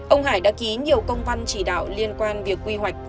ông hải đã ký nhiều công văn chỉ đạo liên quan việc quy hoạch